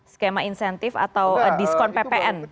skema insentif atau diskon ppn